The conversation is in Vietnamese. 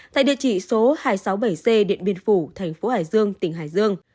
tại địa chỉ số hai trăm sáu mươi bảy c điện biên phủ thành phố hải dương tỉnh hải dương